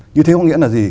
như thế có nghĩa là gì